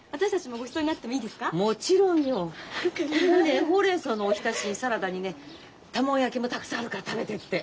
これにねホウレンソウのおひたしにサラダにね卵焼きもたくさんあるから食べてって。